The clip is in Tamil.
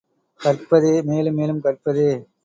கற்பதே, மேலும் மேலும் கற்பதே.